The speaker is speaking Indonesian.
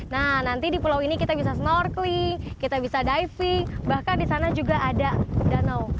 nah nanti di pulau ini kita bisa snorkeling kita bisa diving bahkan di sana juga ada danau